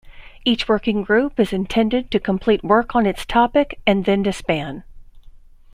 Each working group is intended to complete work on its topic and then disband.